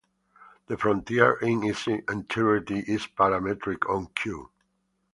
The frontier in its entirety is parametric on "q".